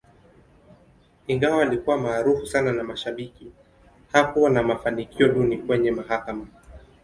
Ingawa alikuwa maarufu sana na mashabiki, hakuwa na mafanikio duni kwenye mahakama.